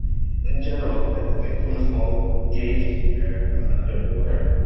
In general, it is made from a small gauge bare conductive wire.